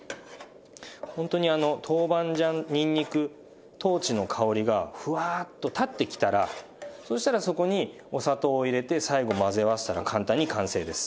ホントに豆板醤にんにく豆鼓の香りがふわっと立ってきたらそしたらそこにお砂糖を入れて最後混ぜ合わせたら簡単に完成です。